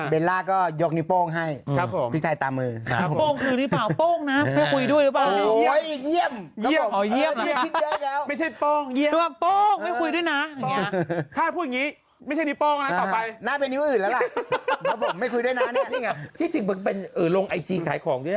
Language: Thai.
เบลล่าก็ยกนิโป้งเพื่อพิชัยตามือ